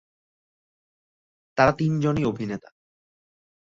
তারা তিনজনই অভিনেতা।